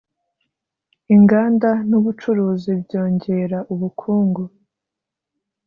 inganda n’ ubucuruzi byongera ubukungu.